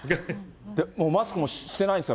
もうマスクもしてないんですか？